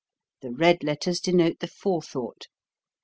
The red letters denote the forethought.